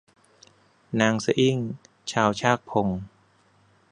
นางสะอิ้งชาวชากพง